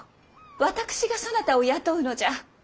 私がそなたを雇うのじゃ。